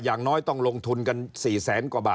อย่างน้อยต้องลงทุนกัน๔แสนกว่าบาท